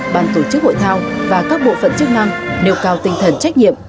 ban tổ chức hội thao và các bộ phận chức năng nêu cao tinh thần trách nhiệm